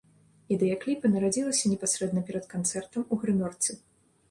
Ідэя кліпа нарадзілася непасрэдна перад канцэртам у грымёрцы.